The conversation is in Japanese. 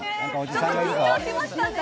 ちょっと緊張しましたね。